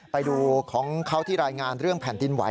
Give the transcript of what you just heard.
ไปดูของเขาที่รายงานเรื่องแผ่นดินไหว